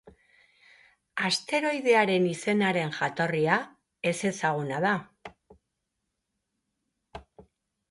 Asteroidearen izenaren jatorria ezezaguna da.